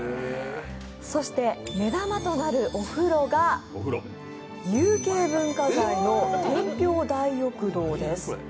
そして目玉となるお風呂が有形文化財の天平大浴堂です。